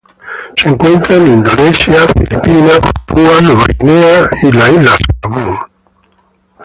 Se encuentran en Indonesia, Filipinas, Papúa Nueva Guinea e islas Salomón.